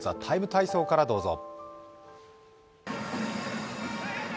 「ＴＨＥＴＩＭＥ，体操」からどうぞ。